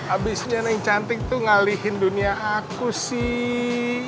abisnya yang cantik tuh ngalihin dunia aku sih